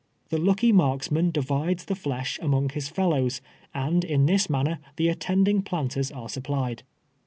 The lucky marksman divides the llesh among his fellows, and in this man ner the attending planters are sui)plied.